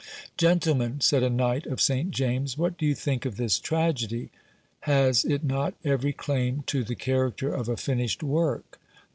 Gentlemen, said a knight of St James, what do you think of this tragedy ? Has it not every claim to the character of a finished work